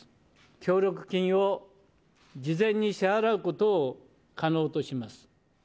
協力金を事前に支払うことを可能とします。